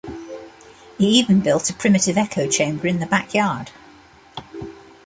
He even built a primitive echo chamber in the back yard.